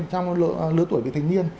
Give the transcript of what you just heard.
trong lứa tuổi về thành niên